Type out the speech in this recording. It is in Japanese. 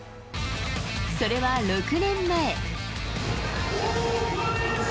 それは６年前。